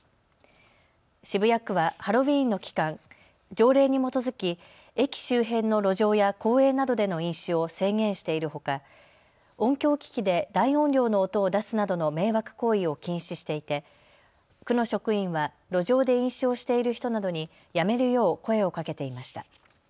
渋谷区はハロウィーンの期間、条例に基づき駅周辺の路上や公園などでの飲酒を制限しているほか、音響機器で大音量の音を出すなどの迷惑行為を禁止していて区の職員は路上で飲酒をしている人などにやめるよう声をかけていました。